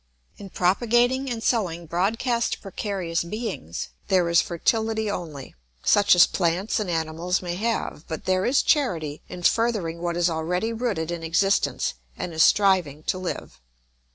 In propagating and sowing broadcast precarious beings there is fertility only, such as plants and animals may have; but there is charity in furthering what is already rooted in existence and is striving to live.